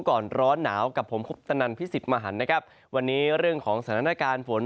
ก่อนร้อนหนาวกับผมคุปตนันพิสิทธิ์มหันนะครับวันนี้เรื่องของสถานการณ์ฝน